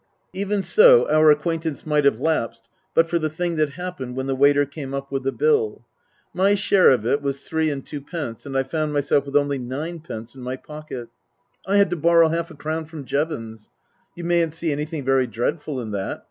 Even so our acquaintance might have lapsed but for the thing that happened when the waiter came up with the bill. My share of it was three and twopence, and I found myself with only ninepence in my pocket. I had to borrow half a crown from Jevons. You mayn't see anything very dreadful in that.